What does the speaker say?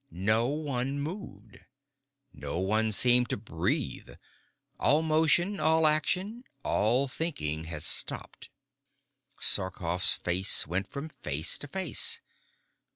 No one moved. No one seemed to breathe. All motion, all action, all thinking, had stopped. Sarkoff's face went from face to face.